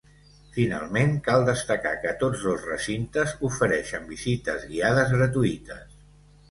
Finalment, cal destacar que tots dos recintes ofereixen visites guiades gratuïtes.